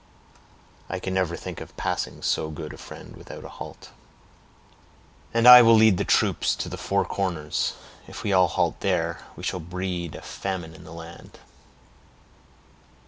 I can never think of passing so good a friend without a halt." "And I will lead the troop to the Four Corners; if we all halt there, we shall breed a famine in the land."